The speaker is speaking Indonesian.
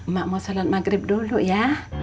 mak mau sholat maghrib dulu ya